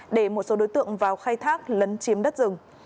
để một số đối tượng vào khai thác lấn chiếm đất rừng